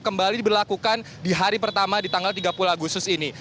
kembali diberlakukan di hari pertama di tanggal tiga puluh agustus ini